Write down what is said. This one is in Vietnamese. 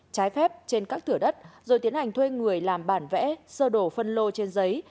trái phép trên các thửa đất rồi tiến hành thuê người làm bản vẽ sơ đồ phân lô trên giấy